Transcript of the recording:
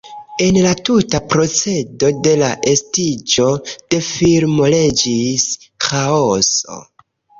En la tuta procedo de la estiĝo de filmo regis ĥaoso.